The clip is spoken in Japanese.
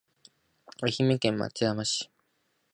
愛媛県松山市